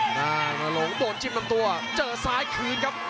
หน้านหลงโดนจิ้มลำตัวเจอซ้ายคืนครับ